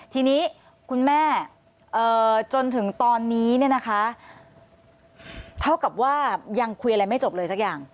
ทีนี้คุณแม่จนถึงตอนนี้เนี่ยนะคะเท่ากับว่ายังคุยอะไรไม่จบเลยสักอย่าง